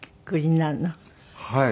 はい。